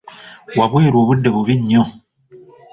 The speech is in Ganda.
Wabweru obudde bubi nnyo.